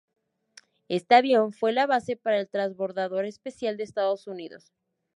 Este avión fue la base para el Transbordador Espacial de Estados Unidos.